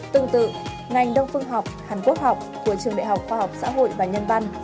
tương tự ngành đông phương học hàn quốc học của trường đại học khoa học xã hội và nhân văn